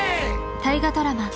大河ドラマ